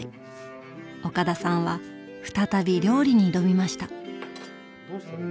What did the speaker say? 岡田さんは再び料理に挑みました。